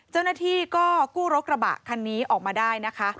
เจ้าหน้าที่ก็กู้รถกระบะคันนี้ออกมาได้นะคะ